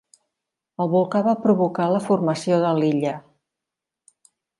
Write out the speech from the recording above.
El volcà va provocar la formació de l'illa.